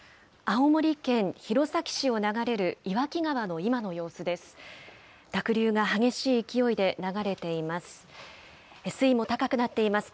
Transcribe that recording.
青森県弘前市を流れる岩木川の今の様子です。